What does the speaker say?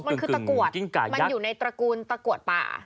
มันคือตะกรวดมันอยู่ในตระกูลตะกรวดป่า